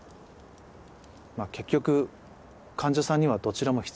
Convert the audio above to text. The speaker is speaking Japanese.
まあ結局患者さんにはどちらも必要なんです。